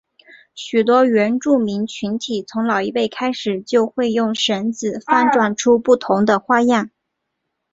许多原住民群体从老一辈开始就会用绳子翻转出不同的花样。